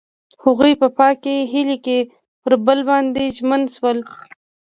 هغوی په پاک هیلې کې پر بل باندې ژمن شول.